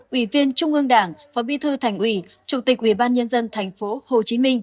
ủy viên trung ương đảng và bí thư thành ủy chủ tịch ủy ban nhân dân thành phố hồ chí minh